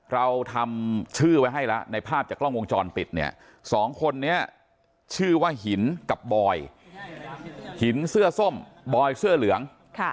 เราทำชื่อไว้ให้แล้วในภาพจากกล้องวงจรปิดเนี่ยสองคนนี้ชื่อว่าหินกับบอยหินเสื้อส้มบอยเสื้อเหลือง